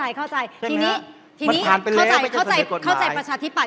ทีนี้เข้าใจประชาธิบัติเดี๋ยวประชาชาติแล้ว